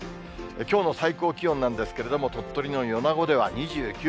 きょうの最高気温なんですけれども、鳥取の米子では２９．８度。